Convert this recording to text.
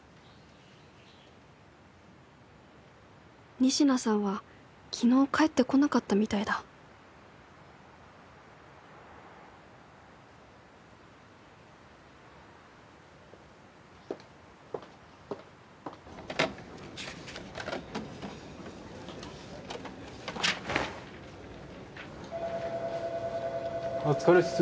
仁科さんは昨日帰ってこなかったみたいだお疲れっす。